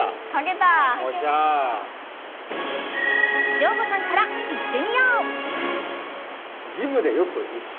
ショーゴさんからいってみよう！